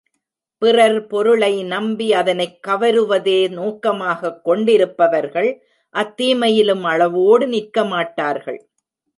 பிறர் பொருளை நம்பி அதனைக் கவருவதே நோக்கமாகக் கொண்டிருப்பவர்கள், அத் தீமையிலும் அளவோடு நிற்கமாட்டார்கள்.